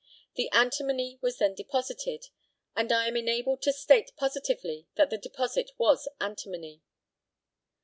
The antimony was then deposited, and I am enabled to state positively that the deposit was antimony.